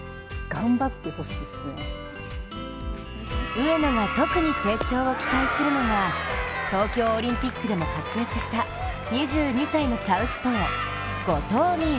上野が特に成長を期待するのが東京オリンピックでも活躍した２２歳のサウスポー・後藤希友。